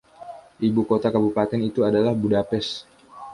Ibukota kabupaten itu adalah Budapest.